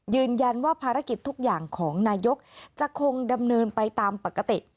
ยืนยันว่าภารกิจทุกอย่างของนายกจะคงดำเนินไปตามปกติ